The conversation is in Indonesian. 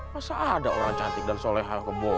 masa ada orang cantik dan soleha kebo